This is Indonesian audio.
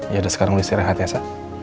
yaudah sekarang lo istirahat ya sa